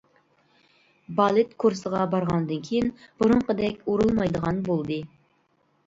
بالېت كۇرسىغا بارغاندىن كېيىن بۇرۇنقىدەك ئۇرۇلمايدىغان بولدى.